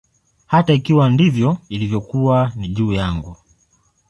Hata ikiwa ndivyo ilivyokuwa, ni juu yangu.